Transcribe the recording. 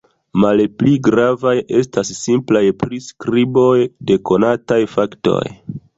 Malpli gravaj estas simplaj priskriboj de konataj faktoj.